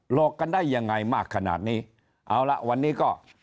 หลอกกันได้ยังไงมากขนาดนี้เอาละวันนี้ก็